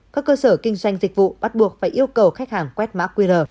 các cơ sở kinh doanh dịch vụ bắt buộc phải yêu cầu khách hàng quét mã qr